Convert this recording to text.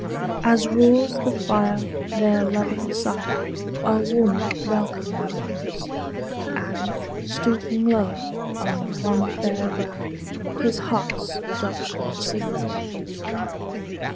As roars the fire, their loving sire A warmer welcome deals; And, stooping low, on one fair brow His heart's adoption seals.